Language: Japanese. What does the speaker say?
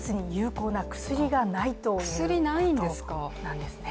薬ないんですか！？